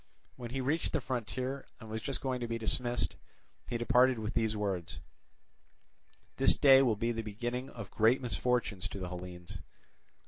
When he reached the frontier and was just going to be dismissed, he departed with these words: "This day will be the beginning of great misfortunes to the Hellenes."